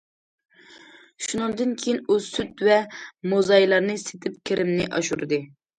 شۇنىڭدىن كېيىن ئۇ سۈت ۋە موزايلارنى سېتىپ كىرىمىنى ئاشۇردى.